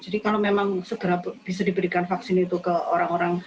kalau memang segera bisa diberikan vaksin itu ke orang orang